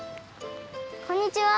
こんにちは。